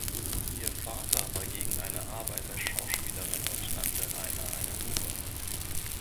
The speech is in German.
Ihr Vater war gegen eine Arbeit als Schauspielerin und nannte Rainer eine „Hure“.